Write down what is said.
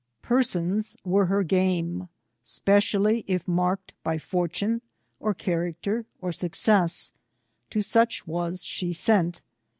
Persons were her game, specially, if marked by fortune, or character, or success; — to such was she sent.